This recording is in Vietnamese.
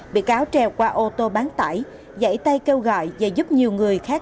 bị cáo treo qua ô tô bán tải dãy tay kêu gọi và giúp nhiều người khác